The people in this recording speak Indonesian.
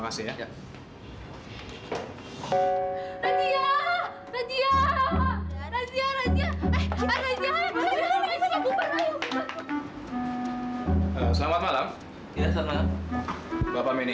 mas flashlight kako kita semua kan pengen